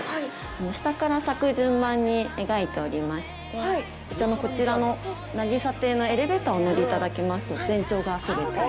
下から、咲く順番に描いておりましてこちらの渚亭のエレベーターお乗りいただきますと、全長が全て。